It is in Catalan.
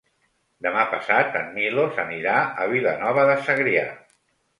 Demà passat en Milos anirà a Vilanova de Segrià.